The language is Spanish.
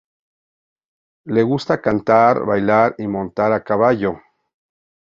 Le gusta cantar, bailar y montar a caballo.